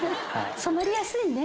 染まりやすいね。